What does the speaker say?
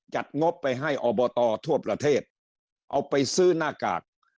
งบไปให้อบตทั่วประเทศเอาไปซื้อหน้ากาก